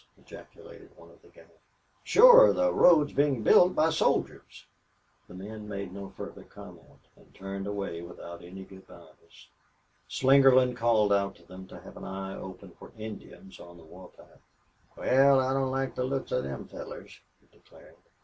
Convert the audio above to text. ejaculated one of the gang. "Shore, the road's bein' built by soldiers." The men made no further comment and turned away without any good bys. Slingerland called out to them to have an eye open for Indians on the war path. "Wal, I don't like the looks of them fellars," he declared.